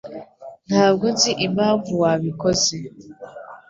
Ntabwo nzi impamvu wabikoze.